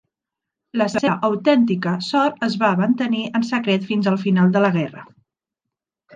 La seva autèntica sort es va mantenir en secret fins el final de la guerra.